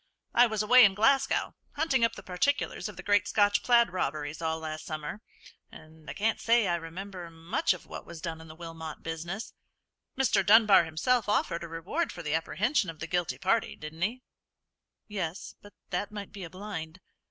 "I was away in Glasgow, hunting up the particulars of the great Scotch plaid robberies, all last summer, and I can't say I remember much of what was done in the Wilmot business. Mr. Dunbar himself offered a reward for the apprehension of the guilty party, didn't he?" "Yes; but that might be a blind."